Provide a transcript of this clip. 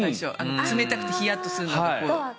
冷たくてヒヤッとするから。